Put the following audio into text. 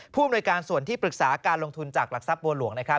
ผู้อำนวยการส่วนที่ปรึกษาการลงทุนจากหลักทรัพย์บัวหลวงนะครับ